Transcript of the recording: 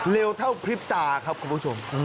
เร็วเท่าพริบตาครับคุณผู้ชม